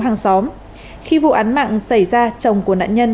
hàng xóm khi vụ án mạng xảy ra chồng của nạn nhân